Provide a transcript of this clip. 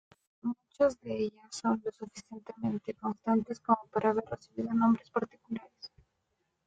Muchas de ellas son lo suficientemente constantes como para haber recibido nombres particulares.